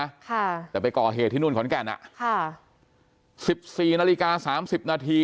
ค่ะแต่ไปก่อเหตุที่นู่นขอนแก่นอ่ะค่ะสิบสี่นาฬิกาสามสิบนาที